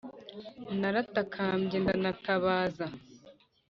Naratakambye ndanatabaza,